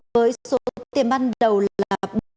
với số tiền băn đầu là